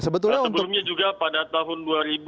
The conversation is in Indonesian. sebelumnya juga pada tahun dua ribu lima belas